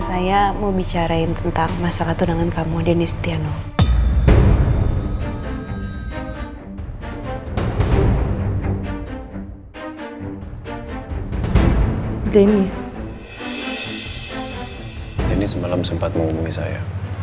saya mau bicara tentang masalah dengan kamu deniz tiano deniz ini semalam sempat menghubungi saya